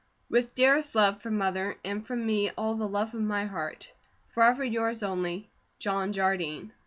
With derest love from Mother, and from me all the love of my hart. Forever yours only, JOHN JARDINE.